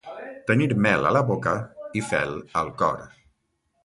Tenir mel a la boca i fel al cor.